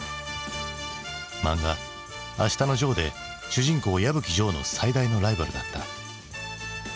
漫画「あしたのジョー」で主人公矢吹丈の最大のライバルだった。